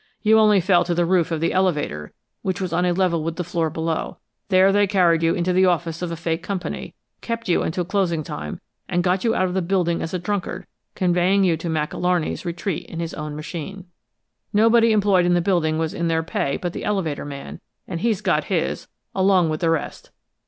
You only fell to the roof of the elevator, which was on a level with the floor below. There they carried you into the office of a fake company, kept you until closing time, and got you out of the building as a drunkard, conveying you to Mac Alarney's retreat in his own machine. Nobody employed in the building was in their pay but the elevator man, and he's got his, along with the rest!